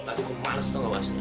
aku males sekali maksudnya